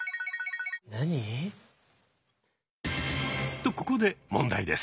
とここで問題です。